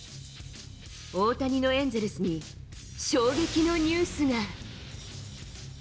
大谷のエンゼルスに衝撃のニュースが。